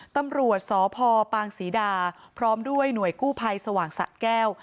ตำรวจสพปางศรีดาพร้อมด้วยหน่วยกู้ภัยสว่างสะแก้ว